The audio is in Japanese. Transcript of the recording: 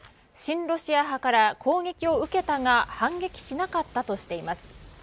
新ロシア派から攻撃を受けたが反撃しなかったとしています。